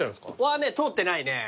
はね通ってないね。